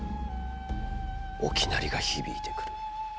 沖鳴りが響いてくる。